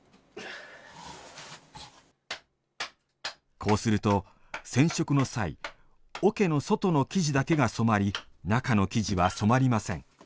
こうすると、染色の際桶の外の生地だけが染まり中の生地は染まりません。